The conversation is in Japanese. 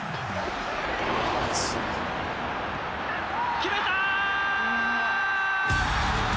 決めた！